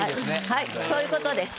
はいそういうことです。